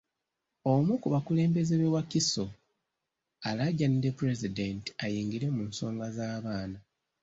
Omu ku bakulembeze b'e Wakiso alaajanidde Pulezidenti ayingire mu nsonga z'abaana.